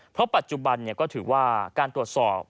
เพราะปัจจุบันก็ถือว่าการตรวจสอบ